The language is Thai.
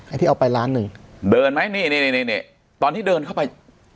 ที่เอาไปล้านหนึ่งเดินไหมนี่นี่นี่ตอนที่เดินเข้าไป